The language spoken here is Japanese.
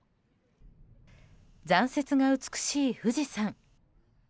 残雪が美しい富士山。